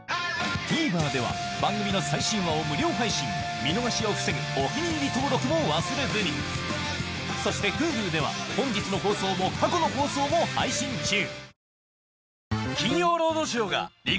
ＴＶｅｒでは番組の最新話を無料配信見逃しを防ぐ「お気に入り」登録も忘れずにそしてＨｕｌｕでは本日の放送も過去の放送も配信中